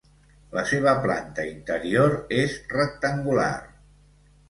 La seva planta interior és rectangular.